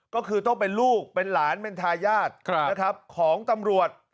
ก็คือต้องเป็นลูกเป็นหลานเป็นทายาทนะครับของตำรวจ